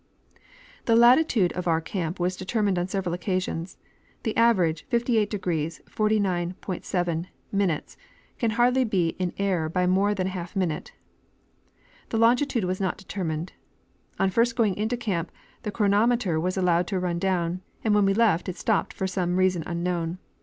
The latitude of our camp was determined on several occasions ; the average, 58° 49'.7, can hardly be in error by more than a half minute. The longitude was not determined ; on first going into camp the chronometer was allowed to run down, and when we left, it stopped for some reason unknown.